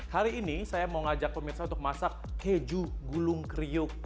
hari ini saya mau ngajak pemirsa untuk masak keju gulung kriuk